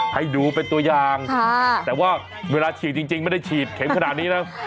ให้ดูเป็นตัวอย่างแต่ว่าเวลาฉีดจริงไม่ได้ฉีดเข็มขนาดนี้นะ